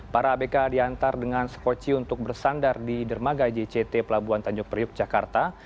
para abk diantar dengan skoci untuk bersandar di dermaga jict pelabuhan tanjung priuk jakarta